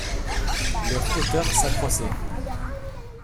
Leur hauteur s’accroissait.